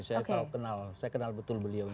saya terlalu kenal saya kenal betul beliau